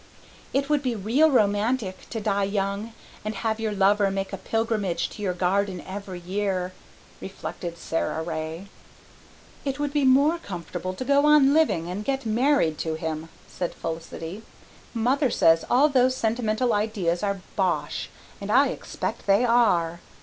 "It would be real romantic to die young and have your lover make a pilgrimage to your garden every year," reflected Sara Ray. "It would be more comfortable to go on living and get married to him," said Felicity. "Mother says all those sentimental ideas are bosh and I expect they are.